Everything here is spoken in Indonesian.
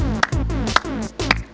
aku gak mau kamu sakit